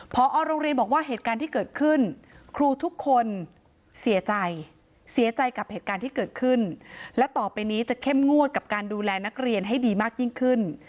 พอโรงเรียนบอกว่าเหตุการณ์ที่เกิดขึ้นครูทุกคนเสียใจเสียใจกับเหตุการณ์ที่เกิดขึ้นและต่อไปนี้จะเข้มงวดกับการดูแลนักเรียนให้ดีมากยิ่งขึ้น